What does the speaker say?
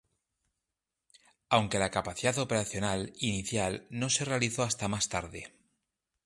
Aunque la capacidad operacional inicial no se realizó hasta más tarde.